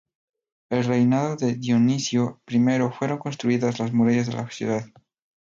En el reinado de Dionisio I, fueron construidas las murallas de la ciudad.